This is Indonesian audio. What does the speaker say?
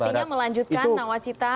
artinya melanjutkan nawacita pertama ya